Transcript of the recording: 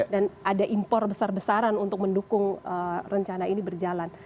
dan ada impor besar besaran untuk mendukung rencana ini berjalan